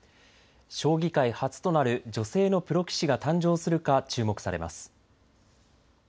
将棋界初となる女性のプロ棋士が誕生するか注目されます。